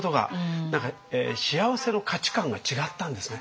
何か幸せの価値観が違ったんですね。